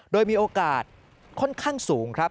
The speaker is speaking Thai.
โดยมีโอกาสค่อนข้างสูงครับ